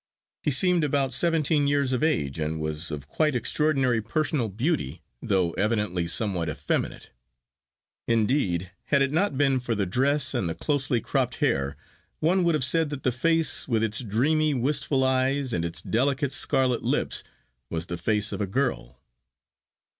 He seemed about seventeen years of age, and was of quite extraordinary personal beauty, though evidently somewhat effeminate. Indeed, had it not been for the dress and the closely cropped hair, one would have said that the face with its dreamy wistful eyes, and its delicate scarlet lips, was the face of a girl.